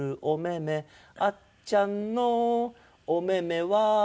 「あっちゃんのおめめは」